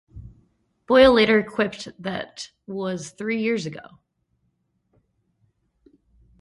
Boyle later quipped That was three years ago.